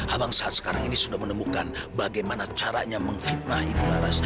abang saat sekarang ini sudah menemukan bagaimana caranya mengfitnah ibu laras